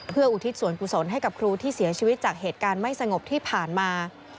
เพื่ออุทิศส่วนกุศลให้กับครูที่เสียชีวิตจากเหตุการณ์ไม่สงบที่ผ่านมา